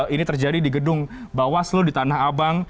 ini terjadi di gedung bawah seluruh di tanah abang